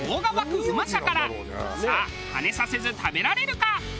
さあハネさせず食べられるか？